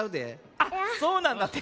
あっそうなんだって。